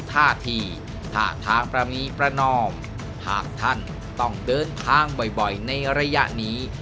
ท่าทีท่าทางประมีประนอมหากท่านต้องเดินทางบ่อยในระยะนี้